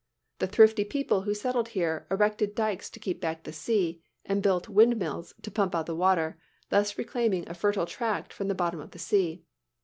The thrifty people who settled here, erected dykes to keep back the sea, and built windmills to pump out the water, thus reclaiming a fertile tract from the bottom of the sea.